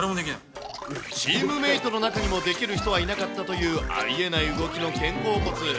チームメートの中にもできる人はいなかったというありえない動きの肩甲骨。